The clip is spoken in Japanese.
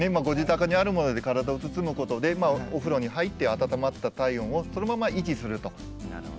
ご自宅にあるもので体を包むことでお風呂に入って温まった体温をそのまま維持すると。